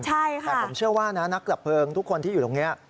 ใช่ค่ะแต่ผมเชื่อว่านักหลับเพลิงทุกคนที่อยู่ตรงนี้